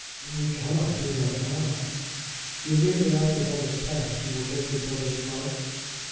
"We cannot do that now." "Do you mean that after what has passed you will take your brother's part?"